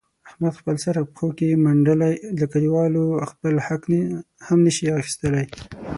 احمد خپل سر پښو کې منډلی، له کلیوالو خپل حق هم نشي اخستلای.